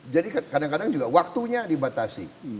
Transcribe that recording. jadi kadang kadang juga waktunya dibatasi